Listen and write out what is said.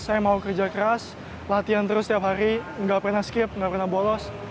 saya mau kerja keras latihan terus setiap hari nggak pernah skip nggak pernah bolos